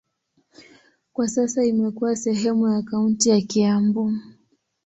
Kwa sasa imekuwa sehemu ya kaunti ya Kiambu.